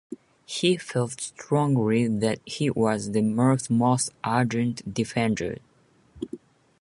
He felt strongly that he was Denmark's most ardent defender.